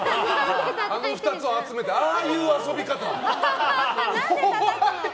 あの２つを集めてああいう遊び方。